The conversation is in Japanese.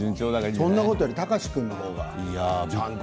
そんなことより貴司君の方が。